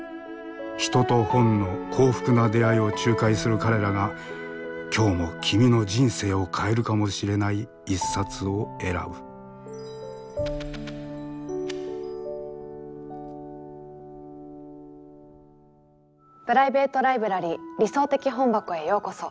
人と本の幸福な出会いを仲介する彼らが今日も君の人生を変えるかもしれない一冊を選ぶプライベート・ライブラリー「理想的本箱」へようこそ。